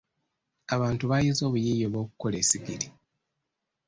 Abantu bayize obuyiiya obw'okukola essigiri.